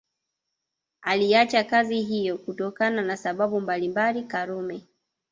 Aliacha kazi hiyo kutokana na sababu mbalimbali Karume